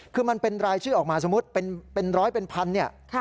คือมันเป็นรายชื่อออกมาสมมุติเป็นร้อยเป็นพันเนี่ย